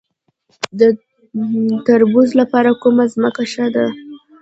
د تربوز لپاره کومه ځمکه ښه ده؟